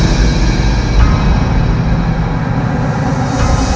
dia yang menang